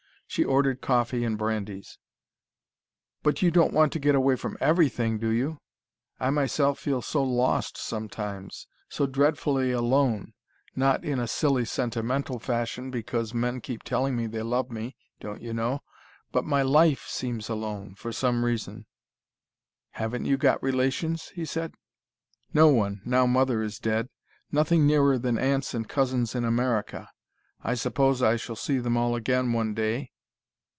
She ordered coffee and brandies. "But you don't want to get away from EVERYTHING, do you? I myself feel so LOST sometimes so dreadfully alone: not in a silly sentimental fashion, because men keep telling me they love me, don't you know. But my LIFE seems alone, for some reason " "Haven't you got relations?" he said. "No one, now mother is dead. Nothing nearer than aunts and cousins in America. I suppose I shall see them all again one day.